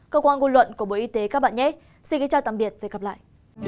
cơ quan ngôn luận của bộ y tế các bạn nhét xin kính chào tạm biệt và hẹn gặp lại